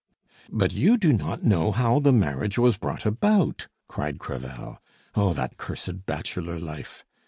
"But you do not know how the marriage was brought about!" cried Crevel. "Oh, that cursed bachelor life!